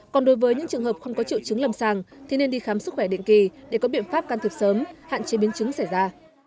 còn đối với những trường hợp không có triệu chứng lầm sàng thì nên đi khám sức khỏe định kỳ để có biện pháp can thiệp sớm hạn chế biến chứng xảy ra